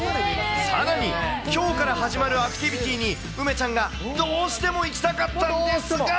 さらに、きょうから始まるアクティビティーに梅ちゃんがどうしても行きたかったんですが。